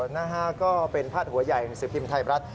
นะฮะก็เป็นพาดหัวใหญ่หนังสือพิมพ์ไทยรัฐ